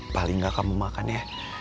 paling gak kamu makan ya